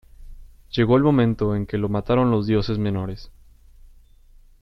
Llegó el momento en que lo mataron los dioses menores.